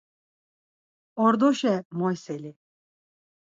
Ordoşe moyseli!